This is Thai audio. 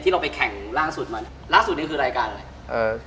ที่เราไปแข่งร่างสุดมันร่างสุดนี้คือรายการอะไร